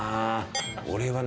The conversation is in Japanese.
俺はね。